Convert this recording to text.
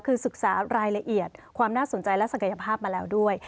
คือศึกษารายละเอียดความน่าสนใจและศักยภาพมาแล้วด้วย